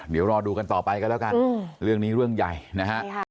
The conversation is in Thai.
เดี๋ยวรอดูกันต่อไปกันแล้วกันเรื่องนี้เรื่องใหญ่นะฮะ